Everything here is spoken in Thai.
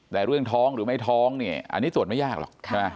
แต่เรื่องท้องหรือไม่ท้องเนี่ยอันนี้ตรวจไม่ยากหรอก